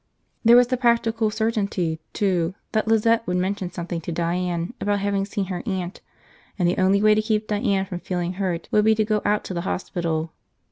There was the practical certainty, too, that Lizette would mention something to Diane about having seen her aunt, and the only way to keep Diane from feeling hurt would be to go out to the hospital.